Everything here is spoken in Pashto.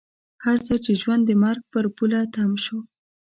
هر ځای چې ژوند د مرګ پر پوله تم شو.